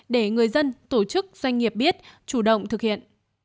để người dân tổ chức doanh nghiệp biết chủ động thực hiện